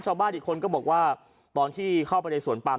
ชาวบ้านอีกคนก็บอกว่าตอนที่เข้าไปในสวนปาม